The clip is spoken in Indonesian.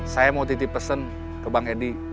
saya mau titip pesen ke bank edi